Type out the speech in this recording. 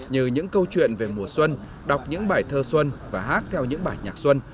như những câu chuyện về mùa xuân đọc những bài thơ xuân và hát theo những bài nhạc xuân